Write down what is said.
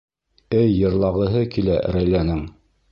Эй йырлағыһы килә Рәйләнең.